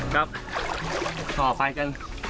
ก็ไปกัน